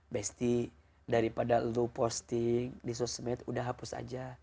besti daripada lu posting di sosial media udah hapus aja